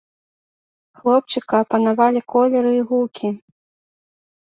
Хлопчыка апанавалі колеры і гукі.